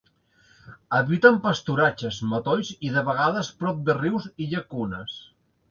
Habita en pasturatges, matolls i de vegades prop de rius i llacunes.